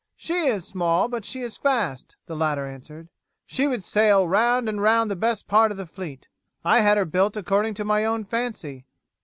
"She is small, but she is fast," the latter answered. "She would sail round and round the best part of the fleet. I had her built according to my own fancy.